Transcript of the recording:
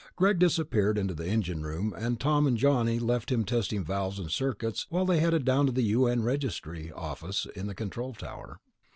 Greg disappeared into the engine room, and Tom and Johnny left him testing valves and circuits while they headed down to the U.N. Registry office in the control tower.